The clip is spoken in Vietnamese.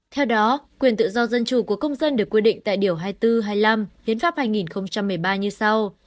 theo đó quyền tự do dân chủ của công dân được quy định tại điều hai nghìn bốn trăm hai mươi năm hiến pháp hai nghìn một mươi ba như sau